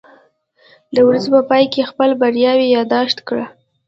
د ورځې په پای کې خپل بریاوې یاداښت کړه.